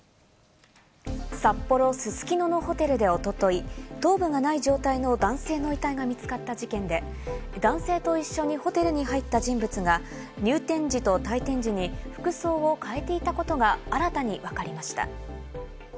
札幌・すすきののホテルでおととい、頭部がない状態の男性の遺体が見つかった事件で、男性と一緒にホテルに入った人物が入店時と退店時に服装を変えていたことが新たにわかりました。